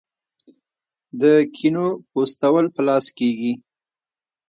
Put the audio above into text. د کینو پوستول په لاس کیږي.